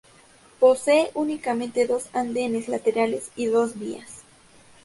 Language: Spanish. Posee únicamente dos andenes laterales y dos vías.